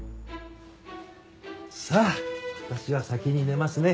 さあ私は先に寝ますね。